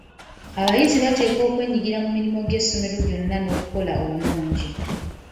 Abayizi bateekwa okwenyigira mu mirimu gy'essomero gyonna n'okukola obulungi.